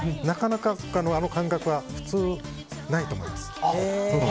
なかなかあの感覚は普通ないと思います。